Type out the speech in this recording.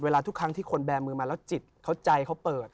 ทุกครั้งที่คนแบร์มือมาแล้วจิตเขาใจเขาเปิด